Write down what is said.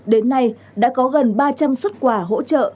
đến nay đã có gần ba trăm linh xuất quà hỗ trợ